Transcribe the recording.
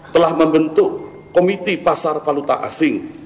telah membentuk komiti pasar valuta asing